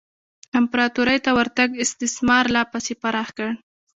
امپراتورۍ ته ورتګ استثمار لا پسې پراخ کړ.